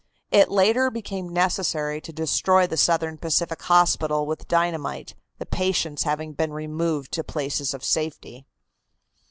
It later became necessary to destroy the Southern Pacific Hospital with dynamite, the patients having been removed to places of safety.